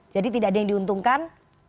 jadi tidak ada yang diuntungkan